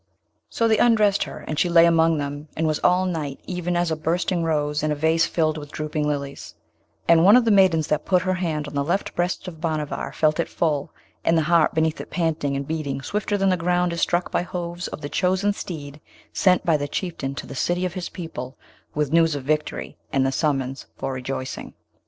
So they undressed her and she lay among them, and was all night even as a bursting rose in a vase filled with drooping lilies; and one of the maidens that put her hand on the left breast of Bhanavar felt it full, and the heart beneath it panting and beating swifter than the ground is struck by hooves of the chosen steed sent by the Chieftain to the city of his people with news of victory and the summons for rejoicing.